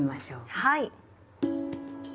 はい。